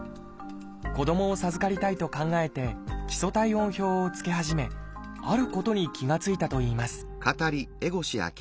子どもを授かりたいと考えて基礎体温表をつけ始めあることに気が付いたといいます